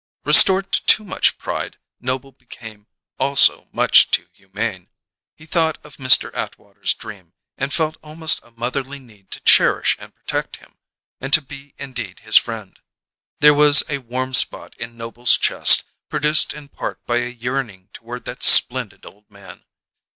Restored to too much pride, Noble became also much too humane; he thought of Mr. Atwater's dream, and felt almost a motherly need to cherish and protect him, to be indeed his friend. There was a warm spot in Noble's chest, produced in part by a yearning toward that splendid old man.